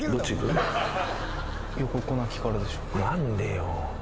何でよ？